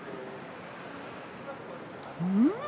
うん？